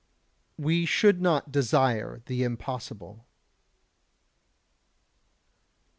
129. We should not desire the impossible.